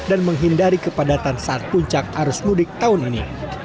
dan menghindari kepadatan saat puncak arus mudik tahun ini